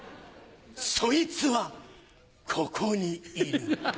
そいつはここにいる。